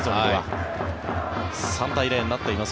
３対０になっています。